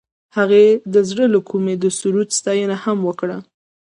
هغې د زړه له کومې د سرود ستاینه هم وکړه.